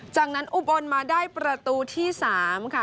จากนั้นอุบลมาได้ประตูที่๓ค่ะ